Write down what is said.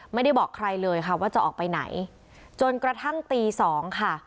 ไม่ได้บอกใครเลยค่ะว่าจะออกไปไหนจนกระทั่งตีสองค่ะ